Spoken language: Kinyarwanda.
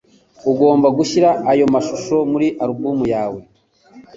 Ugomba gushyira ayo mashusho muri alubumu yawe.